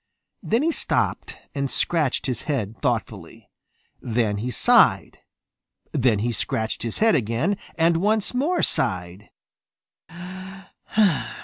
Then he stopped and scratched his head thoughtfully. Then he sighed. Then he scratched his head again and once more sighed.